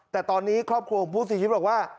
แต่ตอนนี้ครอบครัวของผู้เสียชีวิตบอกว่า